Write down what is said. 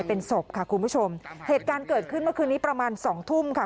เป็นศพค่ะคุณผู้ชมเหตุการณ์เกิดขึ้นเมื่อคืนนี้ประมาณสองทุ่มค่ะ